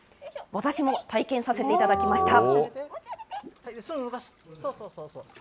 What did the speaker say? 私も体験させていただきました。